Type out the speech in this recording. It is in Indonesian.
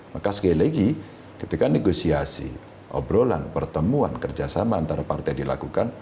maka sekali lagi ketika negosiasi obrolan pertemuan kerjasama antara partai dilakukan